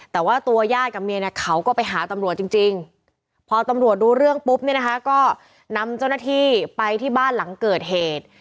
แต่ว่าตัวญาติกับเมียเนี่ยเขาก็ไปหาตำรวจจริงพอตำรวจรู้เรื่องปุ๊บเนี่ยนะคะก็นำเจ้าหน้าที่ไปที่บ้านหลังเกิดเหตุ